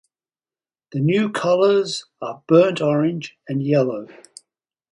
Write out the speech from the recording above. The new colours are burnt orange and yellow.